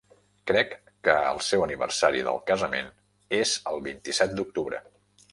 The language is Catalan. Crec que el seu aniversari del casament és el vint-i-set d'octubre